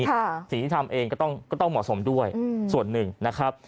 และในวันการดิงทำเองก็ต้องเหมาะสมด้วยส่วนหนึ่งนะครับ